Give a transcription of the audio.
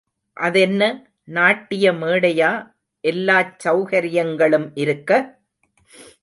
அதென்ன, நாட்டிய மேடையா, எல்லாச் செளகரியங்களும் இருக்க?